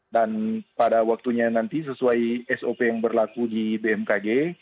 dan pada waktunya nanti sesuai sop yang berlaku di bmkg